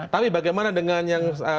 tapi bagaimana dengan yang